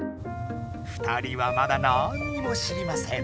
２人はまだなんにも知りません。